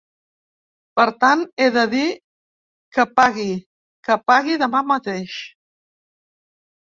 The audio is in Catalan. Per tant, he de dir que pagui, que pagui demà mateix!